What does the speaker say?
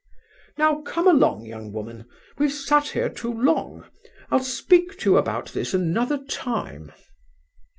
—Now come along, young woman; we've sat here too long. I'll speak to you about this another time."